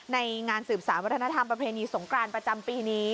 ในงานสืบสารวัฒนธรรมประเพณีสงกรานประจำปีนี้